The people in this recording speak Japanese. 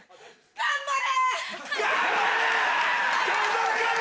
頑張れ！